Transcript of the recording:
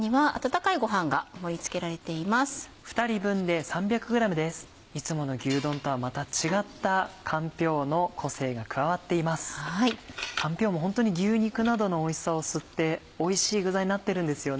かんぴょうもホントに牛肉などのおいしさを吸っておいしい具材になってるんですよね。